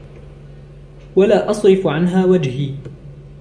وَلَا أَصْرِفُ عَنْهَا وَجْهِي